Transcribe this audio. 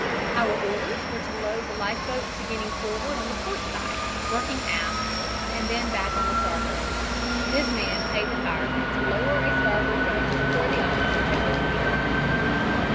Our orders were to load the life boats beginning forward on the port side, working aft and then back on the starboard. This man paid the firemen to lower a starboard boat before the officers had given the order."